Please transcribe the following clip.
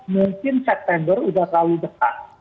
mungkin september sudah terlalu dekat